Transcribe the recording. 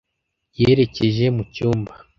Yerekeje mucyumba.